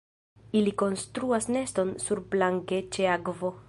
Ili konstruas neston surplanke ĉe akvo.